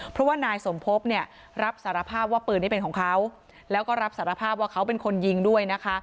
เพราะว่านายสมภพเนี่ยรับสารภาพว่าปืนนี้เป็นของเขาแล้วก็รับสารภาพว่าเขาเป็นคนยิงด้วยนะคะ